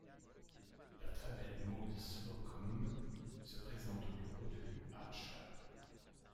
La très belle Maude Slocum se présente au bureau de Lew Archer.